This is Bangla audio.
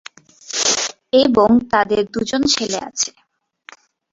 এবং তাদের দুজন ছেলে আছে।